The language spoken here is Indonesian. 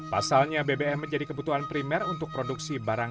pasalnya bbm menjadi kebutuhan primer untuk produksi barang